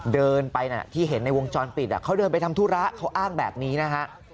เดินไปที่เห็นในวงจรปิดเขาเดินไปทำธุระเขาอ้างแบบนี้นะฮะ